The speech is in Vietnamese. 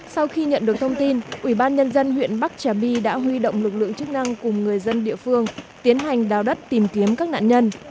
sau khi nhận được thông tin ubnd huyện bắc trà my đã huy động lực lượng chức năng cùng người dân địa phương tiến hành đào đất tìm kiếm các nạn nhân